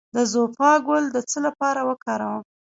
د زوفا ګل د څه لپاره وکاروم؟